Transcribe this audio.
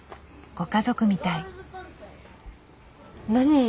ご家族みたい。